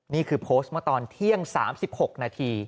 นี่คือโพสต์เมื่อตอนเที่ยง๓๖นาที